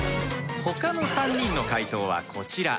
ほかの３人の解答はこちら！